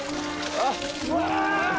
うわ！